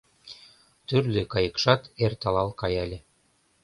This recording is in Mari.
Тӱрлӧ кайыкшат эрталал каяле.